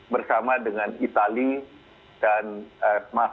bersama dengan itali dan sama dengan cina